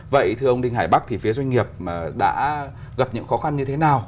vậy thưa ông đinh hải bắc thì phía doanh nghiệp đã gặp những khó khăn như thế nào